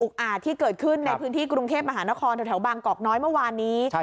อาจที่เกิดขึ้นในพื้นที่กรุงเทพมหานครแถวบางกอกน้อยเมื่อวานนี้